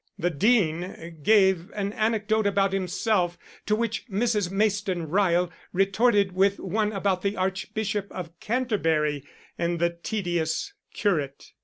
The Dean gave an anecdote about himself, to which Mrs. Mayston Ryle retorted with one about the Archbishop of Canterbury and the tedious curate.